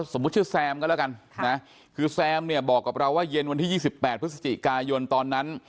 สมมุติชื่อแซมก็แล้วกันนะคือแซมเนี่ยบอกกับเราว่าเย็นวันที่๒๘พฤศจิกายนตอนนั้น